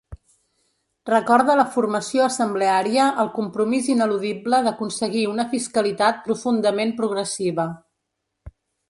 Recorda la formació assembleària el compromís ineludible d’aconseguir una fiscalitat profundament progressiva.